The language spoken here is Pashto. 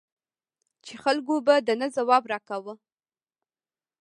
چې خلکو به د نه ځواب را کاوه.